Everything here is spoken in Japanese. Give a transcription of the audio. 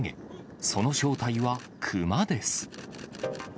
その正体は熊です。